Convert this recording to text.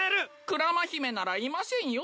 クラマ姫ならいませんよ。